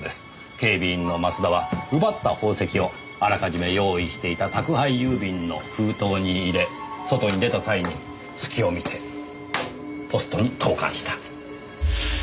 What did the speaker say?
警備員の増田は奪った宝石をあらかじめ用意していた宅配郵便の封筒に入れ外に出た際に隙を見てポストに投函した。